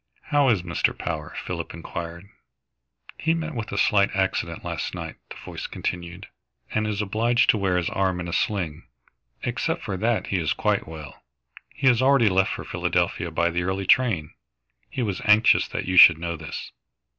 "How is Mr. Power?" Philip enquired. "He met with a slight accident last night," the voice continued, "and is obliged to wear his arm in a sling. Except for that he is quite well. He has already left for Philadelphia by the early train. He was anxious that you should know this."